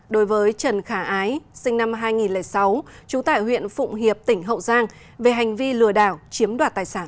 đối với trần khả ái sinh năm hai nghìn sáu trú tại huyện phụng hiệp tỉnh hậu giang về hành vi lừa đảo chiếm đoạt tài sản